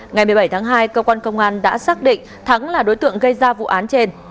ngày một mươi bảy tháng hai cơ quan công an đã xác định thắng là đối tượng gây ra vụ án trên